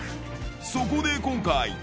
そこで今回。